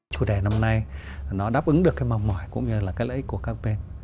chủ đề năm nay nó đáp ứng được mong mỏi cũng như lợi ích của các bên